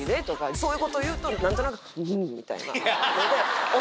そういうこと言うと何となくんみたいなので。